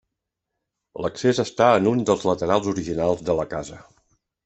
L'accés està en un dels laterals originals de la casa.